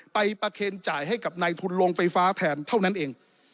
ไปประเคนจ่ายให้กับนายทุนโรงไฟฟ้าแทนเท่านั้นเอง